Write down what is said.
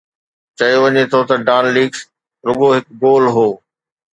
چيو وڃي ٿو ته ”ڊان ليڪس“ رڳو هڪ گول هو.